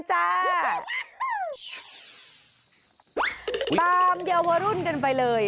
ตามเยาวรุ่นกันไปเลย